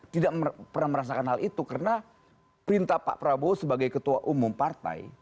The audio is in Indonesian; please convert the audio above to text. tidak pernah merasakan hal itu karena perintah pak prabowo sebagai ketua umum partai